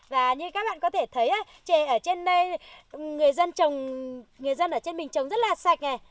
và như các bạn có thể thấy chè ở trên đây người dân ở trên mình trồng rất là sạch